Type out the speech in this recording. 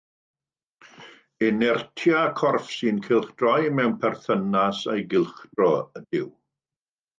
Inertia corff sy'n cylchdroi mewn perthynas â'i gylchdro ydyw.